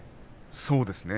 そうですね